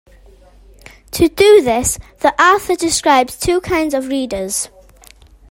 To do this, the author describes two kinds of readers.